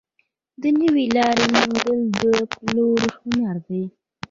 د نوې لارې موندل د پلور هنر دی.